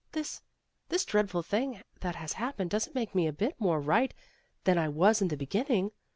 This this dreadful thing that has happened doesn't make me a bit more right than I was in the beginning.